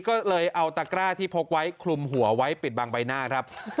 ก็เลยเอาตะกร้าที่พกไว้คลุมหัวไว้ปิดบังใบหน้าครับ